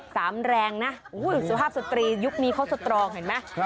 สามแรงนะสภาพสตรียุคนี้เขาสตรองเห็นมั้ย